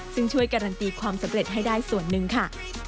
ซึ่งช่วยการันตีความสำเร็จให้ได้ส่วนหนึ่งค่ะ